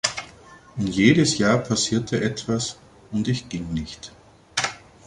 Und jedes Jahr passierte etwas, und ich ging nicht.